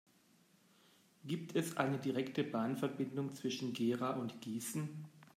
Gibt es eine direkte Bahnverbindung zwischen Gera und Gießen?